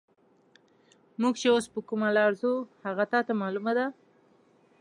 موږ چې اوس پر کومه لار ځو، هغه تا ته معلومه ده؟